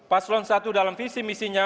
paslon satu dalam visi misinya